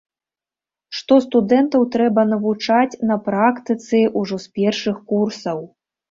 Што студэнтаў трэба навучаць на практыцы ўжо з першых курсаў.